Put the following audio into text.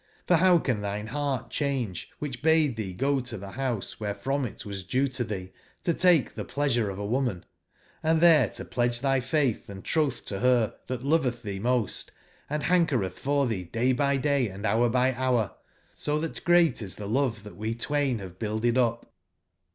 for bow can tbine beart cbange, wbicb bade tbee go to tbe bouse wberef rom itwas due to tbee to take tbe plea sure of woman, and tbere to pledge tbyfaitb&trotb to ber tbat lovetb tbee most, and bankeretb for tbee day bv day and bour by bour, so tbat great is tbe love tnatwe twain bave builded up?''